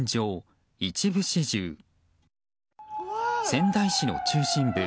仙台市の中心部。